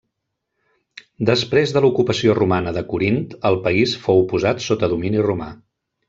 Després de l'ocupació romana de Corint, el país fou posat sota domini romà.